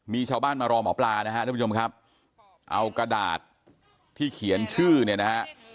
มีชาวบ้านมารอหมอปลานะฮะทุกผู้ชมครับเอากระดาษที่เขียนชื่อเนี่ยนะฮะ